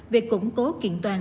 sáu mươi tám về củng cố kiện toàn